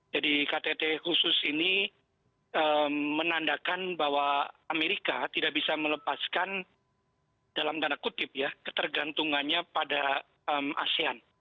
jadi ktt khusus ini menandakan bahwa amerika tidak bisa melepaskan dalam dana kutip ya ketergantungannya pada asean